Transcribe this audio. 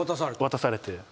渡されて。